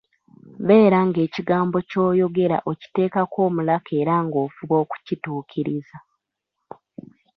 Beera ng'ekigambo ky'oyogera okiteekako omulaka era ng'ofuba okukituukiriza.